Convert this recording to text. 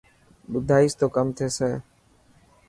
ٻڌائيس تو ڪم ٿيي.